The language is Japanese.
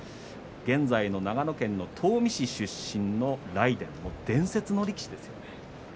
現在の長野県東御市出身の雷電も伝説の力士ですよね。